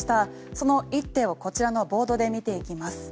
その一手をこちらのボードで見ていきます。